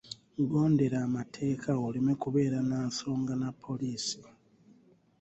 Gondera amateeka oleme kubeera na nsonga na poliisi.